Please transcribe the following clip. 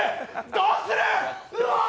どうする！？